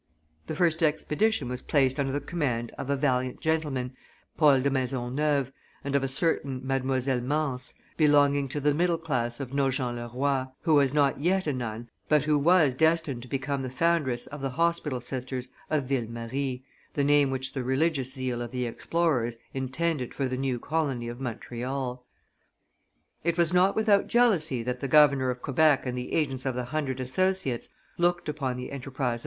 The first expedition was placed under the command of a valiant gentleman, Paul de Maisonneuve, and of a certain Mademoiselle Mance, belonging to the middle class of Nogent le Roi, who was not yet a nun, but who was destined to become the foundress of the hospital sisters of Ville Marie, the name which the religious zeal of the explorers intended for the new colony of Montreal. It was not without jealousy that the governor of Quebec and the agents of the hundred associates looked upon the enterprise of M.